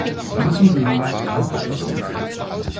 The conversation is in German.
Machen Sie sie nicht größer, als sie ist.